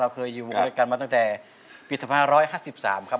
เคยอยู่ด้วยกันมาตั้งแต่ปี๒๕๕๓ครับ